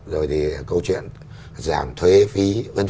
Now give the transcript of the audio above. rồi thì câu chuyện giảm thuế phí v v